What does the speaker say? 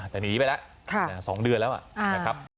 แต่หนีไปแล้ว๒เดือนแล้วนะครับ